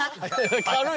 軽い。